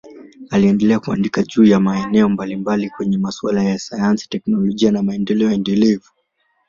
Aliendelea kuandika juu ya maeneo mbalimbali kwenye masuala ya sayansi, teknolojia na maendeleo endelevu.